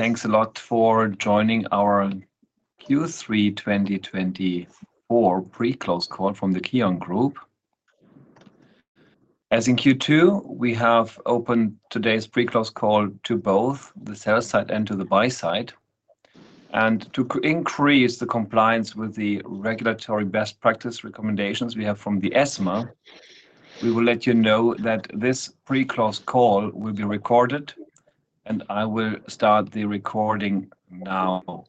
Thanks a lot for joining our Q3 2024 pre-close call from the KION Group. As in Q2, we have opened today's pre-close call to both the sell-side and to the buy-side. And to increase the compliance with the regulatory best practice recommendations we have from the ESMA, we will let you know that this pre-close call will be recorded, and I will start the recording now.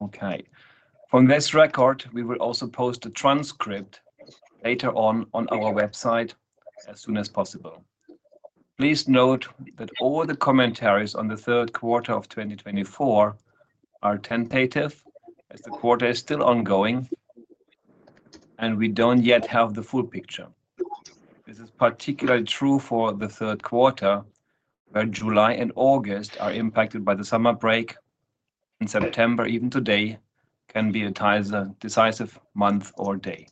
Okay. From this recording, we will also post a transcript later on, on our website as soon as possible. Please note that all the commentaries on the third quarter of 2024 are tentative, as the quarter is still ongoing, and we don't yet have the full picture. This is particularly true for the third quarter, where July and August are impacted by the summer break, and September, even today, can be a decisive month or day.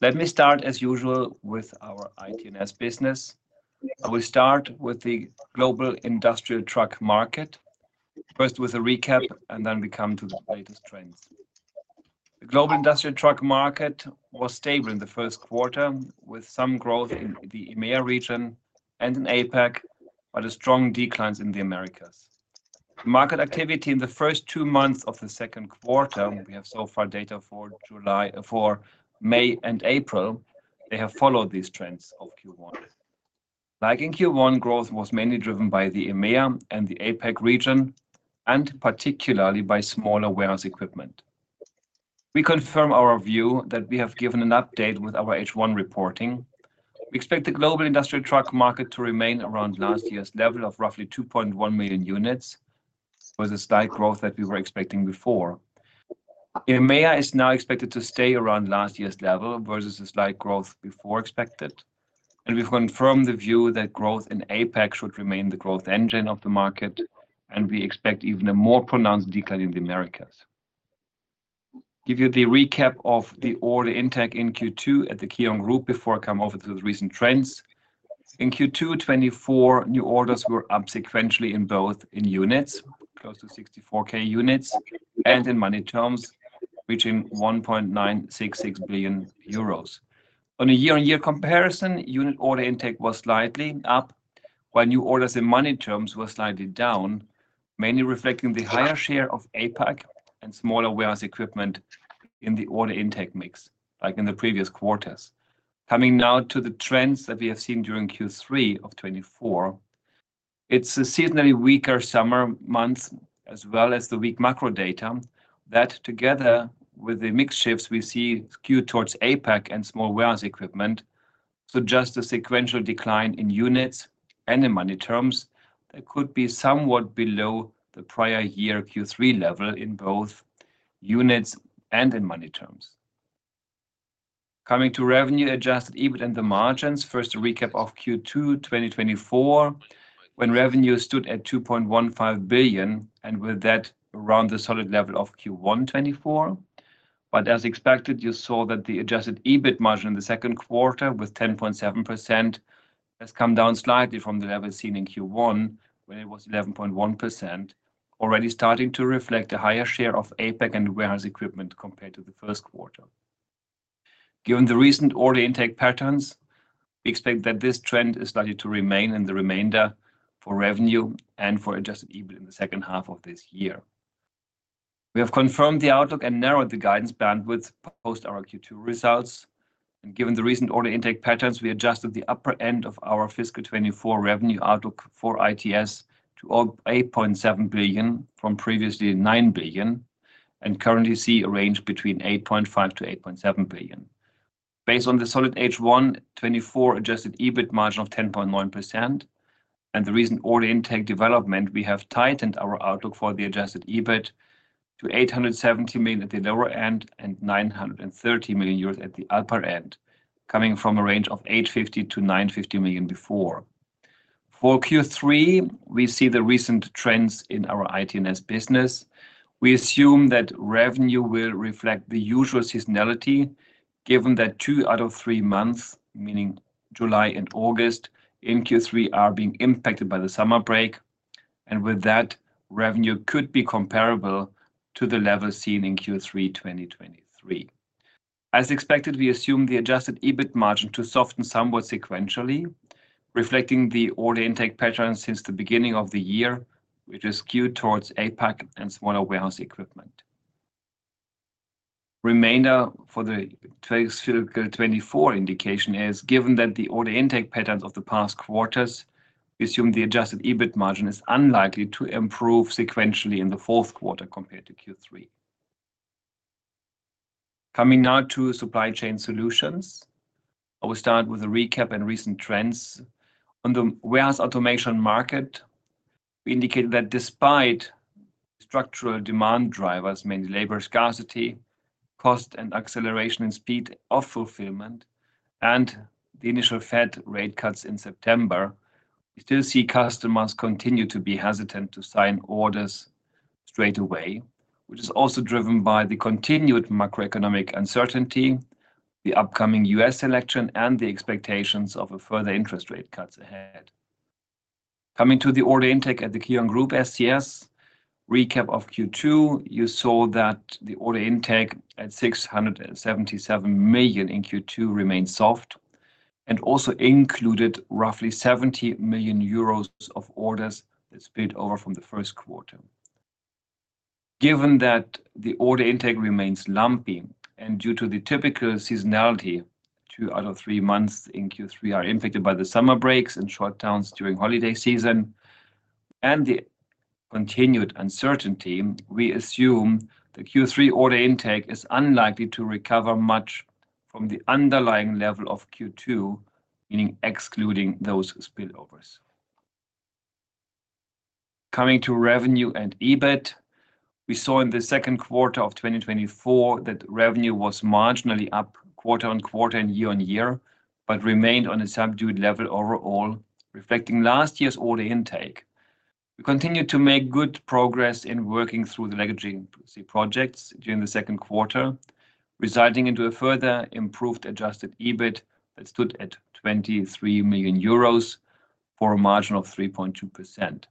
Let me start, as usual, with our ITNS business. I will start with the global industrial truck market, first with a recap, and then we come to the latest trends. The global industrial truck market was stable in the first quarter, with some growth in the EMEA region and in APAC, but a strong decline in the Americas. Market activity in the first two months of the second quarter, we have so far data for May and April, they have followed these trends of Q1. Like in Q1, growth was mainly driven by the EMEA and the APAC region, and particularly by smaller warehouse equipment. We confirm our view that we have given an update with our H1 reporting. We expect the global industrial truck market to remain around last year's level of roughly 2.1 million units, with a slight growth that we were expecting before. EMEA is now expected to stay around last year's level versus a slight growth before expected, and we confirm the view that growth in APAC should remain the growth engine of the market, and we expect even a more pronounced decline in the Americas. Give you the recap of the order intake in Q2 at the KION Group before I come over to the recent trends. In Q2 2024, new orders were up sequentially in both in units, close to 64K units, and in money terms, reaching 1.966 billion euros. On a year-on-year comparison, unit order intake was slightly up, while new orders in money terms were slightly down, mainly reflecting the higher share of APAC and smaller warehouse equipment in the order intake mix, like in the previous quarters. Coming now to the trends that we have seen during Q3 of 2024, it's a seasonally weaker summer month, as well as the weak macro data, that together with the mix shifts we see skewed towards APAC and small warehouse equipment, suggest a sequential decline in units and in money terms, that could be somewhat below the prior year Q3 level in both units and in money terms. Coming to revenue, adjusted EBIT and the margins, first, a recap of Q2 2024, when revenue stood at 2.15 billion, and with that, around the solid level of Q1 2024. As expected, you saw that the adjusted EBIT margin in the second quarter, with 10.7%, has come down slightly from the level seen in Q1, where it was 11.1%, already starting to reflect a higher share of APAC and warehouse equipment compared to the first quarter. Given the recent order intake patterns, we expect that this trend is likely to remain in the remainder for revenue and for adjusted EBIT in the second half of this year. We have confirmed the outlook and narrowed the guidance bandwidth post our Q2 results, and given the recent order intake patterns, we adjusted the upper end of our Fiscal 2024 revenue outlook for ITS to 8.7 billion from previously 9 billion, and currently see a range between 8.5 billion-8.7 billion. Based on the solid H1 2024 adjusted EBIT margin of 10.9% and the recent order intake development, we have tightened our outlook for the adjusted EBIT to 870 million at the lower end and 930 million euros at the upper end, coming from a range of 850 million-950 million before. For Q3, we see the recent trends in our ITNS business. We assume that revenue will reflect the usual seasonality, given that two out of three months, meaning July and August, in Q3, are being impacted by the summer break, and with that, revenue could be comparable to the level seen in Q3 2023. As expected, we assume the adjusted EBIT margin to soften somewhat sequentially, reflecting the order intake patterns since the beginning of the year, which is skewed towards APAC and smaller warehouse equipment. Remainder for the fiscal twenty-four indication is, given that the order intake patterns of the past quarters, we assume the Adjusted EBIT margin is unlikely to improve sequentially in the fourth quarter compared to Q3. Coming now to Supply Chain Solutions, I will start with a recap and recent trends. On the warehouse automation market, we indicate that despite structural demand drivers, mainly labor scarcity, cost and acceleration and speed of fulfillment, and the initial Fed rate cuts in September. We still see customers continue to be hesitant to sign orders straight away, which is also driven by the continued macroeconomic uncertainty, the upcoming U.S. election, and the expectations of a further interest rate cuts ahead. Coming to the order intake at the KION Group SCS, recap of Q2, you saw that the order intake at 677 million in Q2 remained soft, and also included roughly 70 million euros of orders that spilled over from the first quarter. Given that the order intake remains lumpy, and due to the typical seasonality, two out of three months in Q3 are impacted by the summer breaks and shutdowns during holiday season, and the continued uncertainty, we assume the Q3 order intake is unlikely to recover much from the underlying level of Q2, meaning excluding those spillovers. Coming to revenue and EBIT, we saw in the second quarter of 2024 that revenue was marginally up quarter-on-quarter and year-on-year, but remained on a subdued level overall, reflecting last year's order intake. We continued to make good progress in working through the legacy projects during the second quarter, resulting into a further improved adjusted EBIT that stood at 23 million euros for a margin of 3.2%.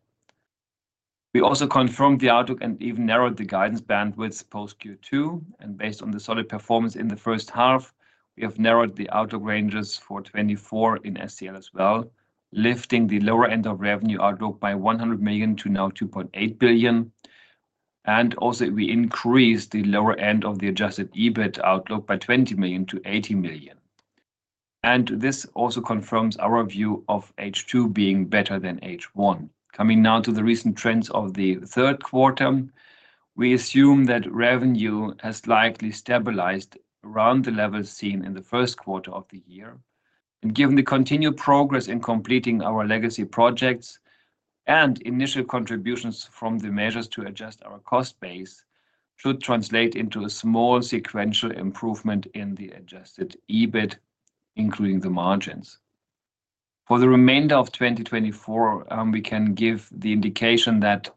We also confirmed the outlook and even narrowed the guidance bandwidth post Q2, and based on the solid performance in the first half, we have narrowed the outlook ranges for 2024 in STILL as well, lifting the lower end of revenue outlook by 100 million to now 2.8 billion, and also we increased the lower end of the adjusted EBIT outlook by 20 million to 80 million. This also confirms our view of H2 being better than H1. Coming now to the recent trends of the third quarter, we assume that revenue has likely stabilized around the level seen in the first quarter of the year. Given the continued progress in completing our legacy projects and initial contributions from the measures to adjust our cost base, should translate into a small sequential improvement in the adjusted EBIT, including the margins. For the remainder of 2024, we can give the indication that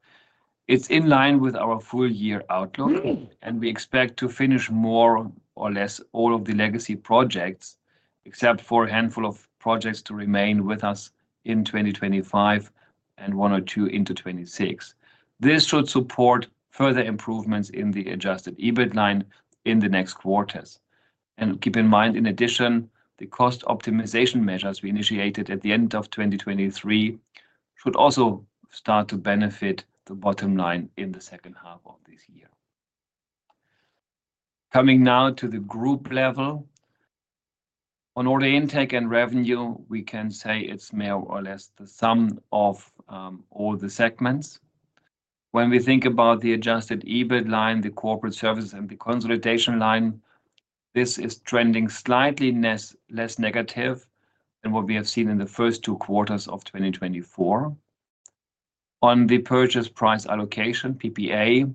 it's in line with our full-year outlook, and we expect to finish more or less all of the legacy projects, except for a handful of projects to remain with us in 2025 and one or two 2026. This should support further improvements in the adjusted EBIT line in the next quarters. Keep in mind, in addition, the cost optimization measures we initiated at the end of twenty twenty-three should also start to benefit the bottom line in the second half of this year. Coming now to the group level. On order intake and revenue, we can say it's more or less the sum of all the segments. When we think about the adjusted EBIT line, the corporate service, and the consolidation line, this is trending slightly less negative than what we have seen in the first two quarters of 2024. On the purchase price allocation, PPA,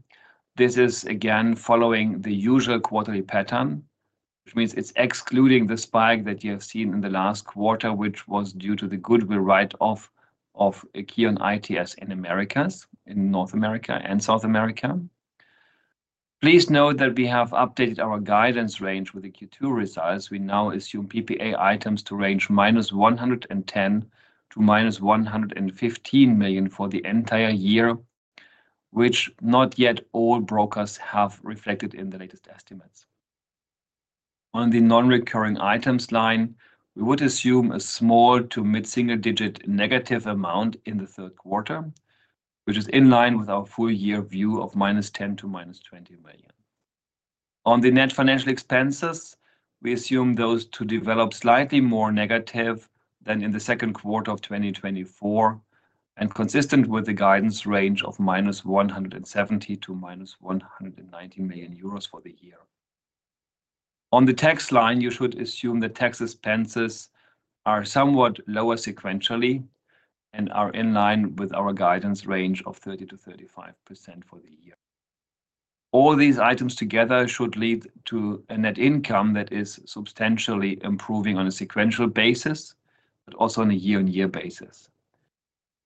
this is again following the usual quarterly pattern, which means it's excluding the spike that you have seen in the last quarter, which was due to the goodwill write-off of KION ITS in Americas, in North America and South America. Please note that we have updated our guidance range with the Q2 results. We now assume PPA items to range -110 million to -115 million for the entire year, which not yet all brokers have reflected in the latest estimates. On the non-recurring items line, we would assume a small to mid-single-digit negative amount in the third quarter, which is in line with our full-year view of -10 million to -20 million. On the net financial expenses, we assume those to develop slightly more negative than in the second quarter of 2024, and consistent with the guidance range of -170 million to -190 million euros for the year. On the tax line, you should assume the tax expenses are somewhat lower sequentially and are in line with our guidance range of 30%-35% for the year. All these items together should lead to a net income that is substantially improving on a sequential basis, but also on a year-on-year basis.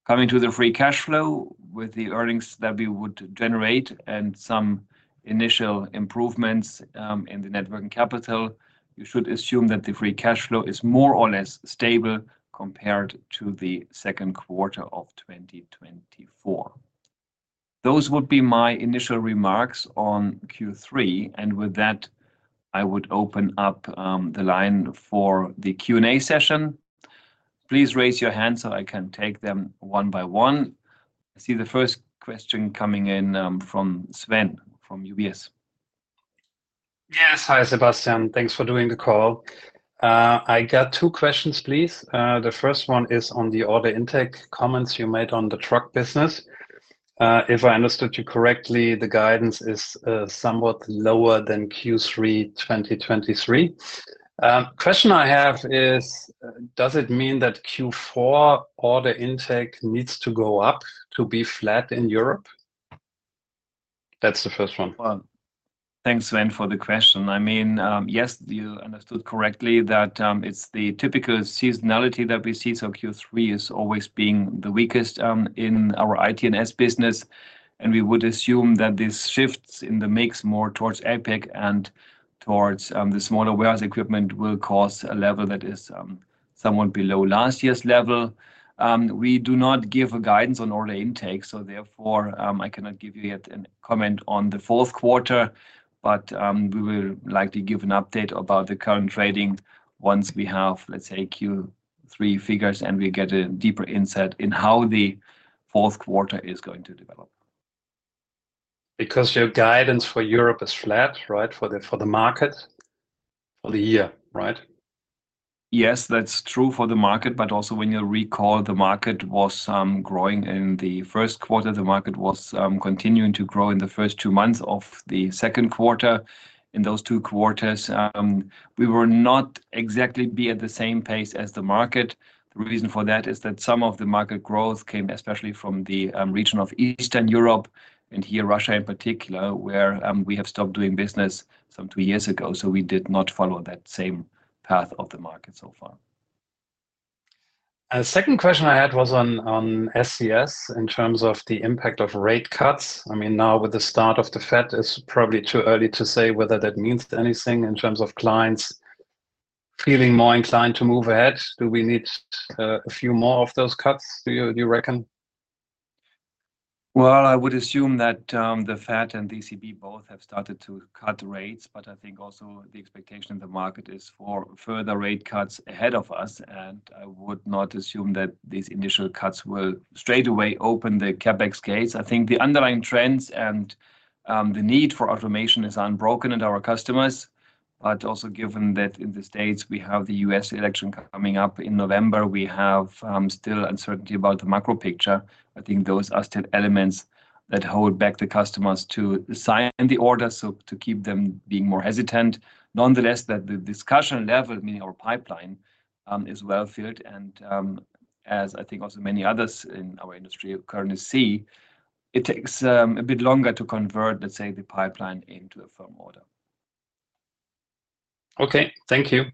Coming to the free cash flow, with the earnings that we would generate and some initial improvements, in the net working capital, you should assume that the free cash flow is more or less stable compared to the second quarter of 2024. Those would be my initial remarks on Q3, and with that, I would open up, the line for the Q&A session. Please raise your hand so I can take them one by one. I see the first question coming in, from Sven, from UBS. Yes. Hi, Sebastian. Thanks for doing the call. I got two questions, please. The first one is on the order intake comments you made on the truck business. If I understood you correctly, the guidance is somewhat lower than Q3 2023. Question I have is, does it mean that Q4 order intake needs to go up to be flat in Europe? That's the first one. Well, thanks, Sven, for the question. I mean, yes, you understood correctly that it's the typical seasonality that we see. So Q3 is always being the weakest in our ITNS business, and we would assume that these shifts in the mix more towards APAC and towards the smaller warehouse equipment will cause a level that is somewhat below last year's level. We do not give a guidance on order intake, so therefore I cannot give you yet a comment on the fourth quarter. But we will likely give an update about the current trading once we have, let's say, Q3 figures, and we get a deeper insight in how the fourth quarter is going to develop. Because your guidance for Europe is flat, right? For the market, for the year, right? Yes, that's true for the market, but also when you recall, the market was growing in the first quarter. The market was continuing to grow in the first two months of the second quarter. In those two quarters, we were not exactly at the same pace as the market. The reason for that is that some of the market growth came especially from the region of Eastern Europe, and here, Russia in particular, where we have stopped doing business some two years ago. So we did not follow that same path of the market so far. The second question I had was on SCS, in terms of the impact of rate cuts. I mean, now with the start of the Fed, it's probably too early to say whether that means anything in terms of clients feeling more inclined to move ahead. Do we need a few more of those cuts, do you reckon? I would assume that the Fed and ECB both have started to cut rates, but I think also the expectation of the market is for further rate cuts ahead of us, and I would not assume that these initial cuts will straight away open the CapEx gates. I think the underlying trends and the need for automation is unbroken in our customers. But also given that in the States, we have the U.S. election coming up in November, we have still uncertainty about the macro picture. I think those are still elements that hold back the customers to sign the order, so to keep them being more hesitant. Nonetheless, that the discussion level, meaning our pipeline, is well filled, and, as I think also many others in our industry currently see, it takes a bit longer to convert, let's say, the pipeline into a firm order. Okay. Thank you.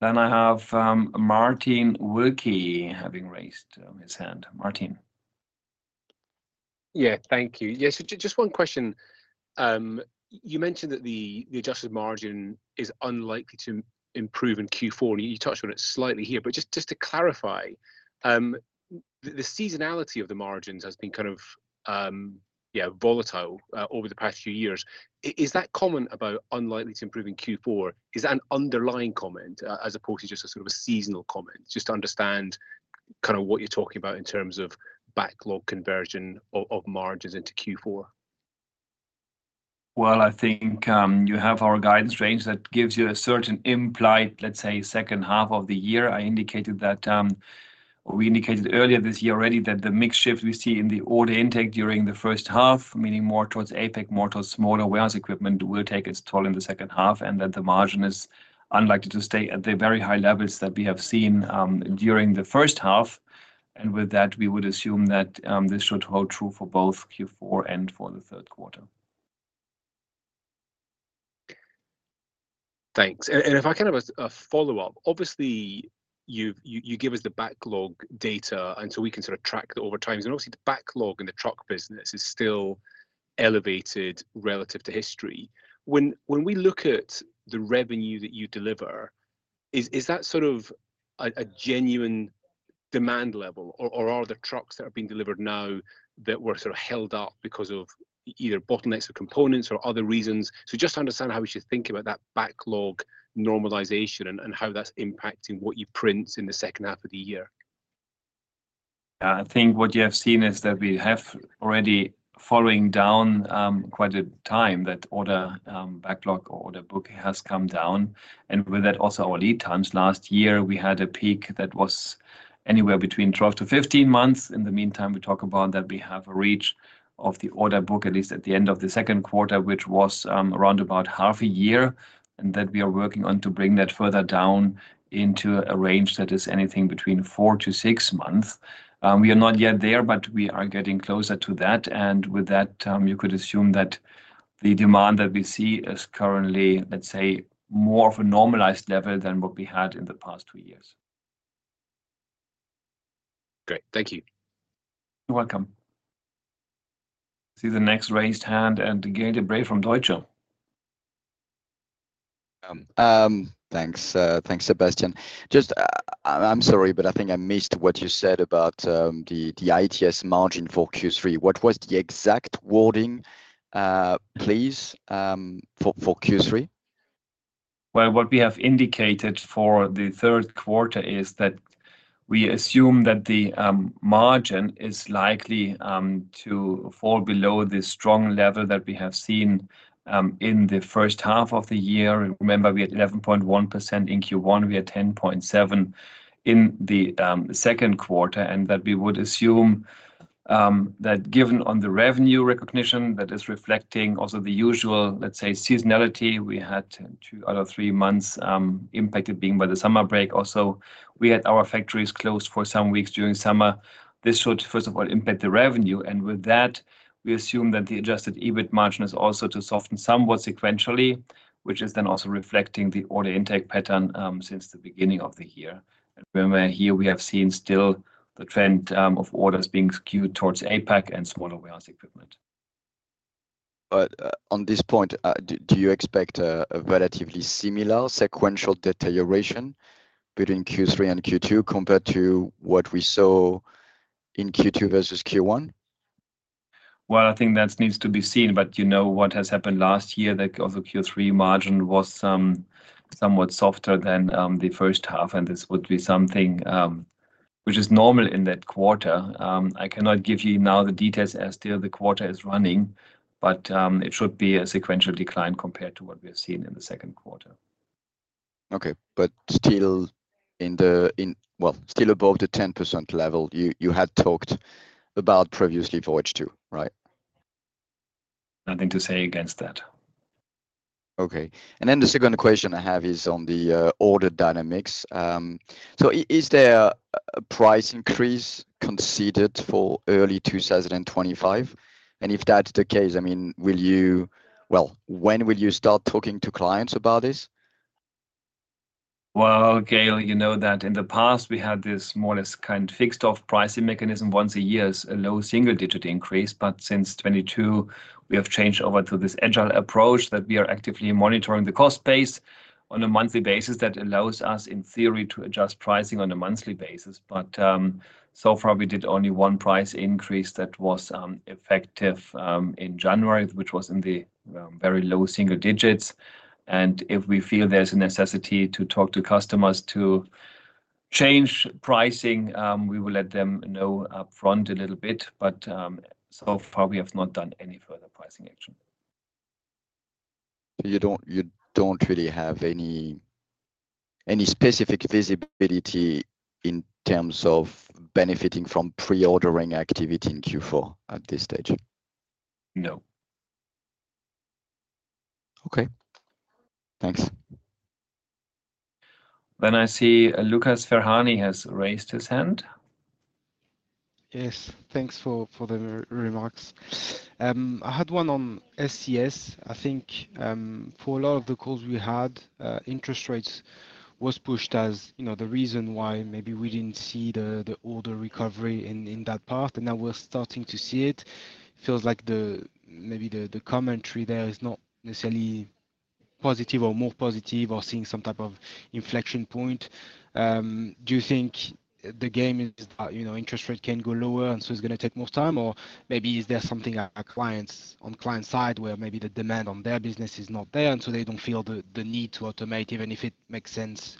Then I have Martin Wilkie having raised his hand. Martin? Yeah, thank you. Yes, just, just one question. You mentioned that the adjusted margin is unlikely to improve in Q4. You touched on it slightly here, but just, just to clarify, the seasonality of the margins has been kind of, yeah, volatile over the past few years. Is that comment about unlikely to improve in Q4, is that an underlying comment as opposed to just a sort of a seasonal comment? Just to understand kinda what you're talking about in terms of backlog conversion of margins into Q4. I think you have our guidance range that gives you a certain implied, let's say, second half of the year. I indicated that we indicated earlier this year already that the mix shift we see in the order intake during the first half, meaning more towards APAC, more towards smaller warehouse equipment, will take its toll in the second half, and that the margin is unlikely to stay at the very high levels that we have seen during the first half, and with that, we would assume that this should hold true for both Q4 and for the third quarter. Thanks. And if I can have a follow-up. Obviously, you give us the backlog data, and so we can sort of track it over time. And obviously, the backlog in the truck business is still elevated relative to history. When we look at the revenue that you deliver, is that sort of a genuine demand level, or are the trucks that are being delivered now that were sort of held up because of either bottlenecks or components or other reasons? So just to understand how we should think about that backlog normalization and how that's impacting what you print in the second half of the year. Yeah, I think what you have seen is that we have already been coming down for quite a time, that the order backlog or order book has come down, and with that, also our lead times. Last year, we had a peak that was anywhere between 12-15 months. In the meantime, we talk about that we have reached the order book, at least at the end of the second quarter, which was around about half a year, and that we are working on to bring that further down into a range that is anything between 4-6 months. We are not yet there, but we are getting closer to that, and with that, you could assume that the demand that we see is currently, let's say, more of a normalized level than what we had in the past two years. Great. Thank you. You're welcome. See the next raised hand, and Gael de-Bray from Deutsche. Thanks, Sebastian. Just, I'm sorry, but I think I missed what you said about the ITS margin for Q3. What was the exact wording, please, for Q3? What we have indicated for the third quarter is that we assume that the margin is likely to fall below the strong level that we have seen in the first half of the year. Remember, we had 11.1% in Q1. We had 10.7% in the second quarter, and that we would assume that given on the revenue recognition, that is reflecting also the usual, let's say, seasonality. We had two out of three months impacted being by the summer break. Also, we had our factories closed for some weeks during summer. This should, first of all, impact the revenue, and with that, we assume that the adjusted EBIT margin is also to soften somewhat sequentially, which is then also reflecting the order intake pattern since the beginning of the year. Remember, here we have seen still the trend of orders being skewed towards APAC and smaller warehouse equipment. But, on this point, do you expect a relatively similar sequential deterioration between Q3 and Q2 compared to what we saw in Q2 versus Q1? I think that needs to be seen, but you know what has happened last year, that also Q3 margin was somewhat softer than the first half, and this would be something which is normal in that quarter. I cannot give you now the details as still the quarter is running, but it should be a sequential decline compared to what we have seen in the second quarter. Okay. But still above the 10% level you had talked about previously for H2, right? Nothing to say against that. Okay. And then the second question I have is on the order dynamics. Is there a price increase conceded for early 2025? And if that's the case, I mean, will you... Well, when will you start talking to clients about this? Gael, you know that in the past we had this more or less kind of fixed off pricing mechanism. Once a year is a low single-digit increase, but since 2022, we have changed over to this agile approach that we are actively monitoring the cost base on a monthly basis that allows us, in theory, to adjust pricing on a monthly basis. But so far, we did only one price increase that was effective in January, which was in the very low single digits. And if we feel there's a necessity to talk to customers to change pricing, we will let them know upfront a little bit, but so far we have not done any further pricing action. You don't really have any specific visibility in terms of benefiting from pre-ordering activity in Q4 at this stage? No. Okay. Thanks. Then I see Lucas Ferhani has raised his hand. Yes. Thanks for the remarks. I had one on SCS. I think, for a lot of the calls we had, interest rates was pushed, as, you know, the reason why maybe we didn't see the order recovery in that path, and now we're starting to see it. Feels like maybe the commentary there is not necessarily positive or more positive or seeing some type of inflection point. Do you think the game is, you know, interest rate can go lower, and so it's gonna take more time? Or maybe is there something at clients, on client side, where maybe the demand on their business is not there, and so they don't feel the need to automate, even if it makes sense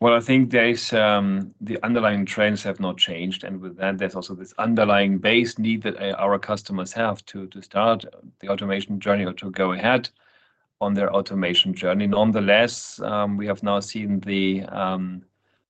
long-term? I think there is the underlying trends have not changed, and with that, there's also this underlying base need that our customers have to start the automation journey or to go ahead on their automation journey. Nonetheless, we have now seen the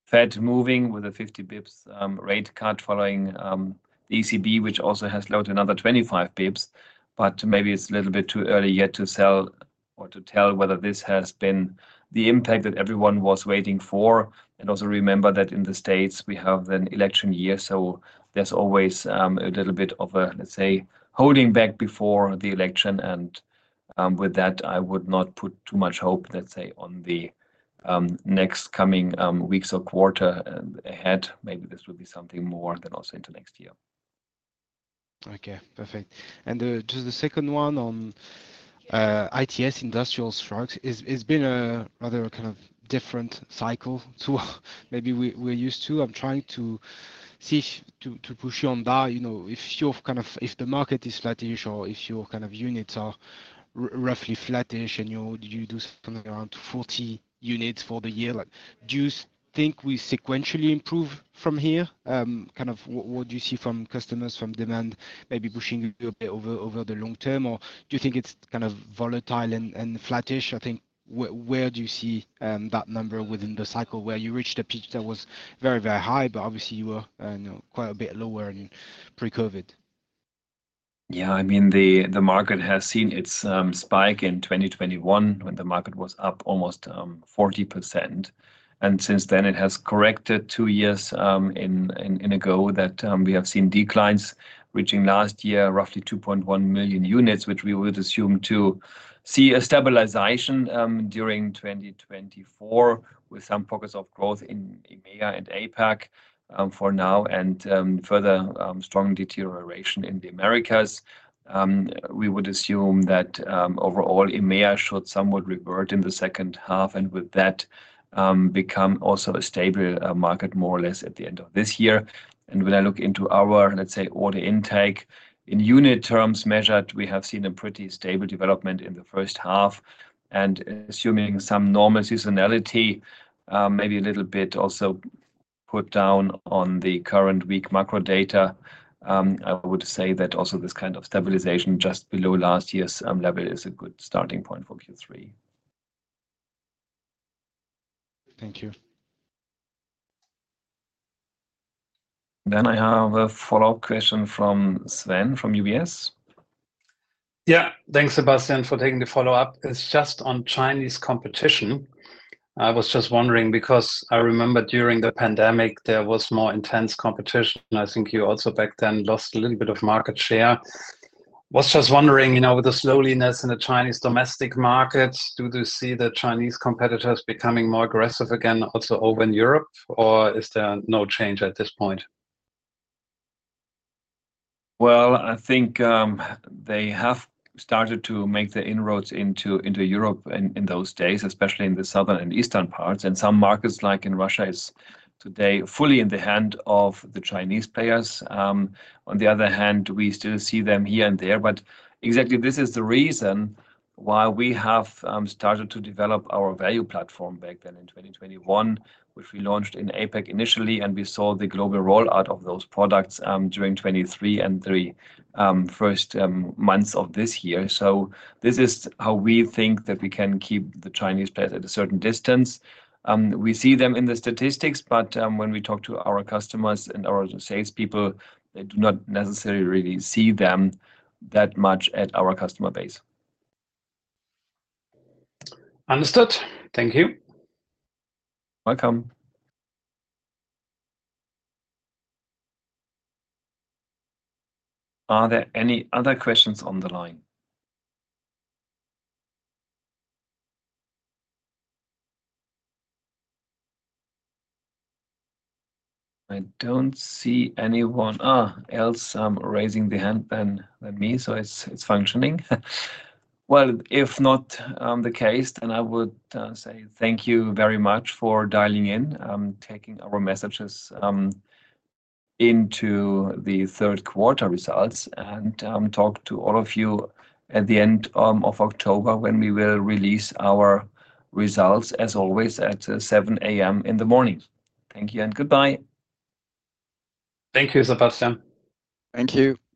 Fed moving with a 50 bps rate cut, following the ECB, which also has lowered another 25 bps. But maybe it's a little bit too early yet to sell or to tell whether this has been the impact that everyone was waiting for. And also remember that in the States we have an election year, so there's always a little bit of a, let's say, holding back before the election, and with that, I would not put too much hope, let's say, on the next coming weeks or quarter ahead. Maybe this will be something more than also into next year. Okay, perfect. And, just the second one on, ITS, industrial trucks. It's been a rather kind of different cycle to maybe we're used to. I'm trying to see if to push you on that, you know, if you're kind of if the market is flattish or if your kind of units are roughly flattish, and you do something around 40 units for the year, do you think we sequentially improve from here? Kind of what do you see from customers, from demand, maybe pushing you a bit over the long-term, or do you think it's kind of volatile and flattish? I think where do you see that number within the cycle where you reached a peak that was very, very high, but obviously you were, you know, quite a bit lower in pre-COVID? Yeah, I mean, the market has seen its spike in twenty twenty-one, when the market was up almost 40%, and since then, it has corrected two years in a row that we have seen declines reaching last year, roughly 2.1 million units, which we would assume to see a stabilization during twenty twenty-four, with some focus of growth in EMEA and APAC for now, and further strong deterioration in the Americas. We would assume that overall, EMEA should somewhat revert in the second half, and with that, become also a stable market more or less at the end of this year. When I look into our, let's say, order intake, in unit terms measured, we have seen a pretty stable development in the first half, and assuming some normal seasonality, maybe a little bit also put down on the current weak macro data, I would say that also this kind of stabilization just below last year's level is a good starting point for Q3. ... Thank you. Then I have a follow-up question from Sven, from UBS. Yeah. Thanks, Sebastian, for taking the follow-up. It's just on Chinese competition. I was just wondering, because I remember during the pandemic, there was more intense competition. I think you also back then lost a little bit of market share. Was just wondering, you know, with the slowness in the Chinese domestic markets, do you see the Chinese competitors becoming more aggressive again, also over in Europe, or is there no change at this point? I think they have started to make the inroads into Europe in those days, especially in the southern and eastern parts, and some markets, like in Russia, is today fully in the hand of the Chinese players. On the other hand, we still see them here and there, but exactly this is the reason why we have started to develop our value platform back then in 2021, which we launched in APAC initially, and we saw the global rollout of those products during 2023 and the first three months of this year. So this is how we think that we can keep the Chinese players at a certain distance. We see them in the statistics, but when we talk to our customers and our salespeople, they do not necessarily really see them that much at our customer base. Understood. Thank you. Welcome. Are there any other questions on the line? I don't see anyone else raising their hand than me, so it's functioning. Well, if not the case, then I would say thank you very much for dialing in, taking our messages into the third quarter results and talk to all of you at the end of October, when we will release our results, as always, at 7:00 A.M. in the morning. Thank you and goodbye. Thank you, Sebastian. Thank you. Thank you.